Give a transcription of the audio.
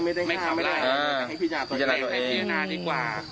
ไม่ได้ขับไล่ให้พิจารณาตัวเองให้พิจารณาดีกว่า